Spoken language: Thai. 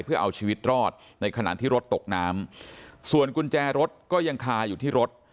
เพื่อเอาชีวิตรอดในขณะที่รถตกน้ำส่วนกุญแจรถก็ยังคาอยู่ที่รถ